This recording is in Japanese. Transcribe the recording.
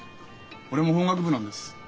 俺も法学部なんです。